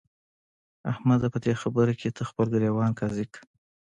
احمده! په دې خبره کې ته خپل ګرېوان قاضي کړه.